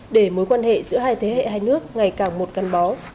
để mối quan hệ giữa hai thế hệ hai nước ngày càng một căn bó